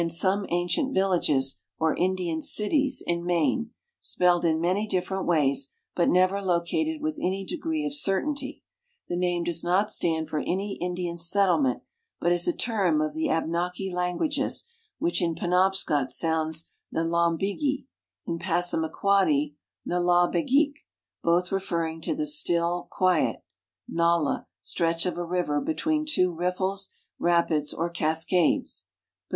sf)me ancient villages or Indian "cities" in Maine, spelled in many diffiirent ways, l>ut never located with any deirree of certainty. The name does not stand for any Indian settlement, but is a term of the Abnaki languages, which in Penobscot sounds nalambigi, in Passamaquoddy nalabegik — both referring to the " still, (luiet " (nala ) stretch of a river between two rlHles, lapids, or cascades ; b.